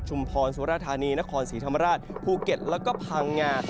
พรสุรธานีนครศรีธรรมราชภูเก็ตแล้วก็พังงา